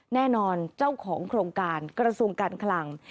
แน่นอนเจ้าของโครงการกระทรวงการคลัง